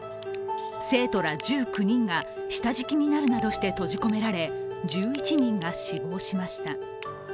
生徒ら１９人が下敷きになるなどして閉じ込められ１１人が死亡しました。